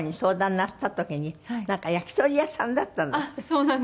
あっそうなんです。